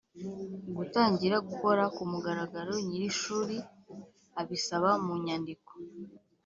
gutangira gukora kumugaragaro nyir ‘ishuri abisaba mu nyandiko.